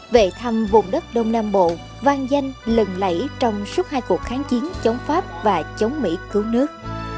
về thăm vùng đất đông nam bộ vang danh lần lẫy trong suốt hai cuộc kháng chiến chống pháp và chống mỹ cứu nước